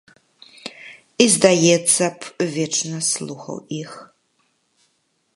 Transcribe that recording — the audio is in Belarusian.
І, здаецца б, вечна слухаў іх.